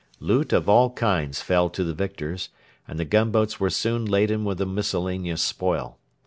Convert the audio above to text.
Loot of all kinds fell to the victors, and the gunboats were soon laden with a miscellaneous spoil.